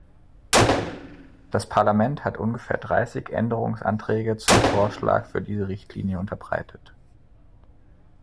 Das Parlament hat ungefähr dreißig Änderungsanträge zum Vorschlag für diese Richtlinie unterbreitet.